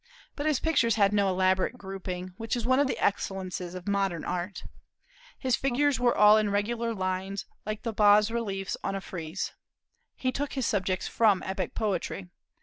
But his pictures had no elaborate grouping, which is one of the excellences of modern art. His figures were all in regular lines, like the bas reliefs on a frieze. He took his subjects from epic poetry.